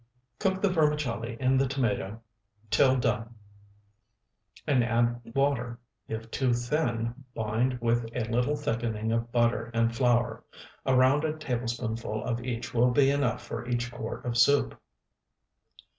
Cook the vermicelli in the tomato till done and add water; if too thin, bind with a little thickening of butter and flour. A rounded tablespoonful of each will be enough for each quart of soup.